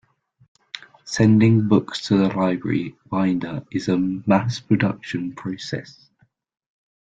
Sending books to the library binder is a mass production process.